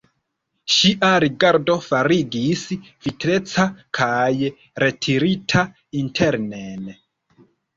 Ŝia rigardo fariĝis vitreca kaj retirita internen.